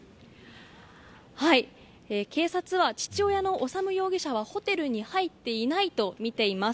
警察は父親の修容疑者はホテルに入っていないとみています。